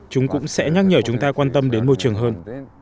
chúng cũng sẽ nhắc nhở chúng ta quan tâm đến môi trường hơn